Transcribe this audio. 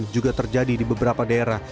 juga terjadi di beberapa daerah